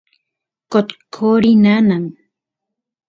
qotqoriy nanan